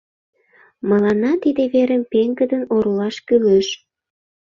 Мыланна тиде верым пеҥгыдын оролаш кӱлеш.